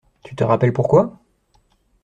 Tu te rappelles pourquoi?